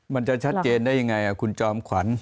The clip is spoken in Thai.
มันจะชัดเจนได้ยังไงคุณจอมขวัญ